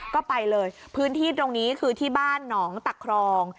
ก็ไปเลยพื้นที่ตรงนี้คือที่บ้านหนองตะครอง